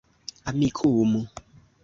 amikumu